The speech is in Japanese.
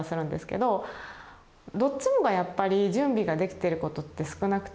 どっちもがやっぱり準備ができてることって少なくて。